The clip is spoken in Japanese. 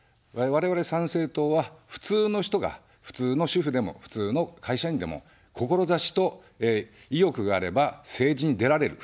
我々、参政党は、普通の人が普通の主婦でも普通の会社員でも、志と意欲があれば、政治に出られる。